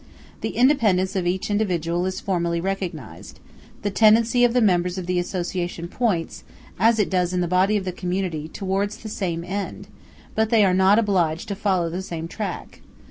The independence of each individual is formally recognized; the tendency of the members of the association points, as it does in the body of the community, towards the same end, but they are not obliged to follow the same track.